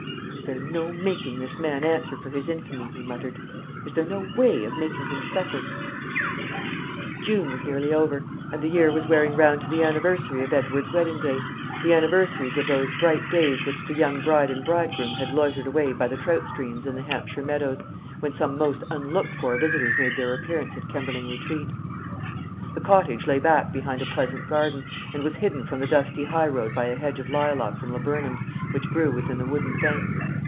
"Is there no making this man answer for his infamy?" he muttered. "Is there no way of making him suffer?" June was nearly over, and the year was wearing round to the anniversary of Edward's wedding day, the anniversaries of those bright days which the young bride and bridegroom had loitered away by the trout streams in the Hampshire meadows, when some most unlooked for visitors made their appearance at Kemberling Retreat. The cottage lay back behind a pleasant garden, and was hidden from the dusty high road by a hedge of lilacs and laburnums which grew within the wooden fence.